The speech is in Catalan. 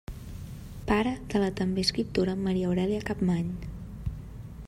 Pare de la també escriptora Maria Aurèlia Capmany.